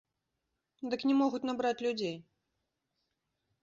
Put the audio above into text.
Дык не могуць набраць людзей!